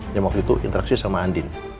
yang waktu itu interaksi sama andin